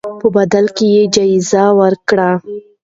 په بدل کې یې جایزه ورکړئ.